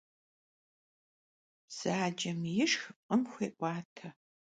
Bzacem yişşx f'ım xuê'uate.